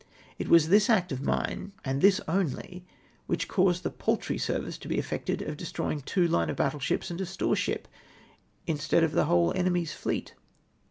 It w^as this act of mine, and this only, which caused the paltry service to be effected of destrojnng two line of battle ships and a store ship, instead of the wdiole enemy's fleet